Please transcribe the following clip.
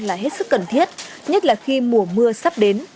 là hết sức cần thiết nhất là khi mùa mưa sắp đến